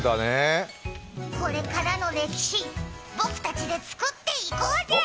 これからの歴史、僕たちで作っていこうぜ！